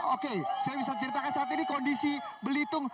oke saya bisa ceritakan saat ini kondisi belitung